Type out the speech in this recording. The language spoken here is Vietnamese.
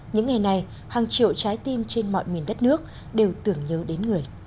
những ngày này hàng triệu trái tim trên mọi miền đất nước đều tưởng nhớ đến người